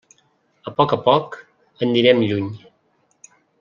A poc a poc anirem lluny.